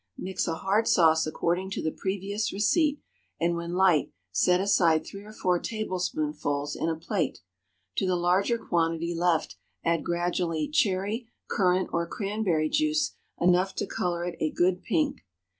✠ Mix a hard sauce according to the previous receipt, and when light, set aside three or four tablespoonfuls in a plate. To the larger quantity left add gradually, cherry, currant, or cranberry juice enough to color it a good pink.